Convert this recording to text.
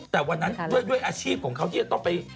แต่วันนั้นด้วยอาชีพของเขาที่จะต้องไป